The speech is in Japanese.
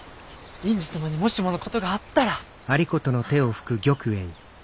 院主様にもしものことがあったら！